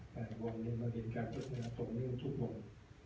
กัลงงเราก็เห็นการพัฒนาตรงเนื่องทุกวง